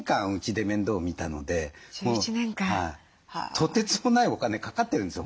とてつもないお金かかってるんですよ